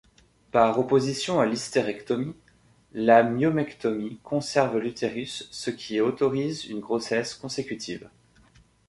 Par opposition à l'hystérectomie, la myomectomie conserve l'utérus ce qui autorise une grossesse consécutive.